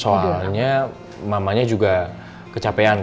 soalnya mamanya juga kecapean